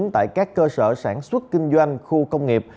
tại các cơ sở sản xuất kinh doanh khu công nghiệp